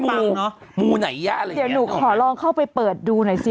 เดี๋ยวหนูขอลองเข้าไปเปิดดูหน่อยสิ